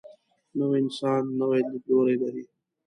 نوی انسان نوی لیدلوری لري